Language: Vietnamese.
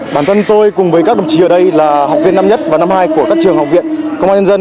bản thân tôi cùng với các đồng chí ở đây là học viên năm nhất và năm hai của các trường học viện công an nhân dân